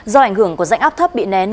do ảnh hưởng của dạng áp thấp bị nén